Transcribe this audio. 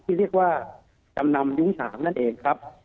ที่เรียกว่าจำนำยุ้งฉางนั่นเองครับ